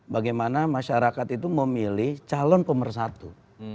bagaimana masyarakat itu memilih calon pemersatu